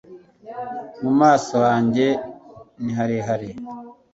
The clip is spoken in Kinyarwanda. mu maso hanjye niharehare